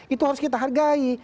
itu harus kita hargai